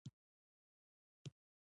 • دروغجن خلک تل ناکام وي.